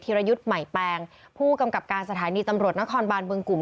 รยุทธ์ใหม่แปลงผู้กำกับการสถานีตำรวจนครบานบึงกลุ่ม